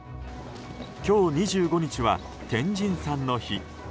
今日２５日は天神さんの日。